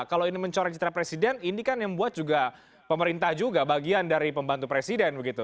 kalau ini mencoreng citra presiden ini kan yang membuat juga pemerintah juga bagian dari pembantu presiden begitu